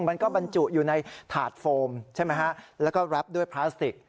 มันก็บรรจุอยู่ในถาดโฟมใช่ไหมฮะแล้วก็แรปด้วยพลาสติก